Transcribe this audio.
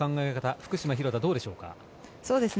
福島、廣田どうでしょうか。